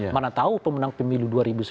mana tahu pemenang pemilu dua ribu sembilan belas